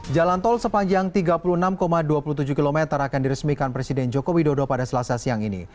jalan tol sepanjang tiga puluh enam dua puluh tujuh km akan diresmikan presiden joko widodo pada selasa siang ini